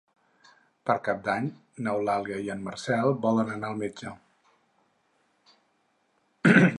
Per Cap d'Any n'Eulàlia i en Marcel volen anar al metge.